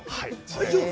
大丈夫？